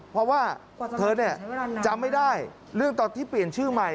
เพราะว่าเธอเนี่ยจำไม่ได้เรื่องตอนที่เปลี่ยนชื่อใหม่